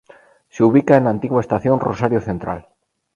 Se ubica en la antigua estación Rosario Central.